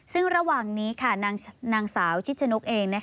ซึ่งระหว่างนี้นางสาวชิชนกเอง